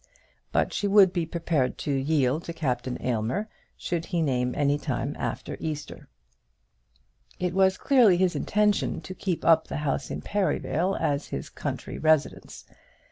But she would be prepared to yield to Captain Aylmer, should he name any time after Easter. It was clearly his intention to keep up the house in Perivale as his country residence.